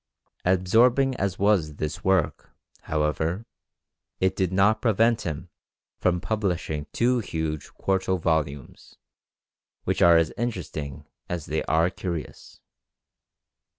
Absorbing as was this work, however, it did not prevent him from publishing two huge quarto volumes, which are as interesting as they are curious.